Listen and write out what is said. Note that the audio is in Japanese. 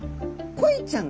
コイちゃん？